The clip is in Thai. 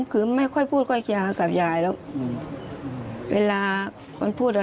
คิดมาก่อนว่าเขาจะทำขนาดนั้น